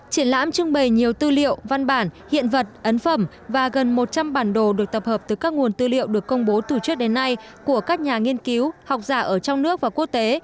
triển lãm trưng bày nhiều tư liệu văn bản hiện vật ấn phẩm và gần một trăm linh bản đồ được tập hợp từ các nguồn tư liệu được công bố từ trước đến nay của các nhà nghiên cứu học giả ở trong nước và quốc tế